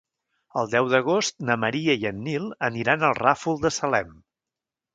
El deu d'agost na Maria i en Nil aniran al Ràfol de Salem.